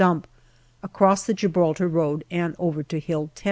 dump, across the Gibraltar road and over to Hill 10.